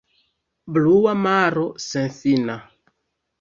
Blua maro senfina!